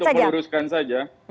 untuk menguruskan saja